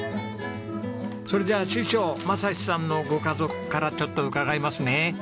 それじゃあ師匠雅士さんのご家族からちょっと伺いますね。